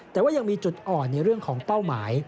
แต่ว่ายังมีจุดอ่อนในเรื่องของเป้าหมาย